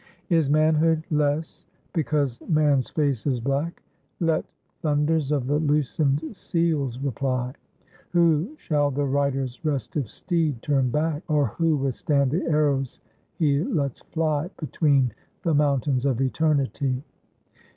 "Is manhood less because man's face is black? Let thunders of the loosened seals reply! Who shall the rider's restive steed turn back, Or who withstand the arrows he lets fly Between the mountains of eternity?